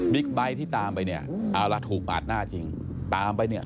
๑บิ๊กไบท์ที่ตามไปเอาแล้วถูกมาดหน้าเชียง